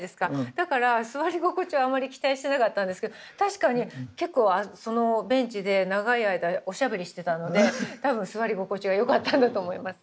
だから座り心地はあんまり期待してなかったんですけど確かに結構そのベンチで長い間おしゃべりしてたので多分座り心地はよかったんだと思います。